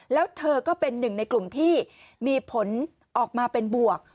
แล้วเธอก็เป็นหนึ่งในกลุ่มที่มีผลออกมาเป็นบวก